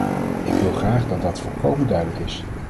Ik wil graag dat dat volkomen duidelijk is.